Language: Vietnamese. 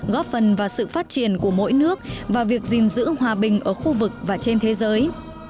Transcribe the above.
góp phần vào sự phát triển của mỗi nước vào việc gìn giữ hòa bình ở khu vực và trên thế giới